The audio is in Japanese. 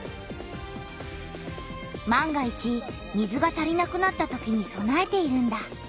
万が一水が足りなくなったときにそなえているんだ。